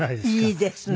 いいですね。